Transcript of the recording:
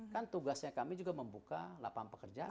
kan tugasnya kami juga membuka lapangan pekerjaan